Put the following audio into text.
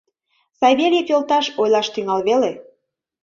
Савельев йолташ, ойлаш тӱҥал веле.